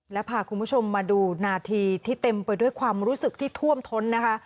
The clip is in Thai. และพาคุณผู้ชมมาดูนาทีที่เต็มไปด้วยความรู้สึกที่ท่วมท้นนะคะ